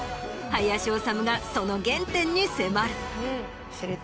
林修がその原点に迫る。